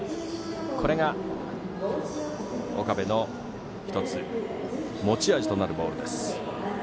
これが岡部の１つ持ち味となるボールです。